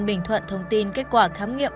bình thuận thông tin kết quả khám nghiệm